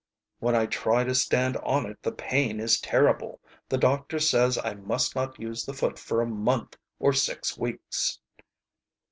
"When I try to stand on it the pain is terrible. The doctor says I must not use the foot for a month or six weeks."